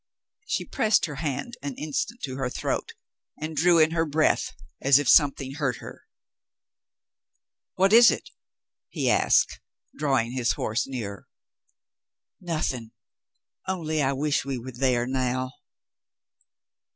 She pressed her hand an instant to her throat and drew in her breath as if something hurt her. 92 The Mountain Girl "What is it?" he asked, drawing his horse nearer. Nothing. Only I wish we were there now."